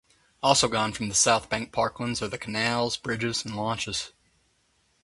Also gone from South Bank Parklands are the canals, bridges and launches.